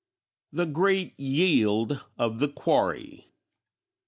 _The Great Yield of the Quarry.